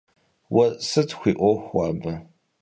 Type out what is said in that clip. Уэ сыт хуиӀуэху абы?